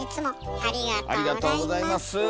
ありがとうございます。